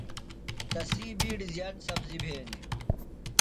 تسی بِیڈیۡ زیات سبزیۡ بِھینیۡ۔